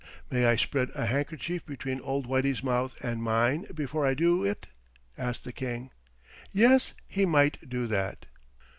"May I spread a handkerchief between old Whitey's mouth and mine before I do it?" asked the King. Yes, he might do that.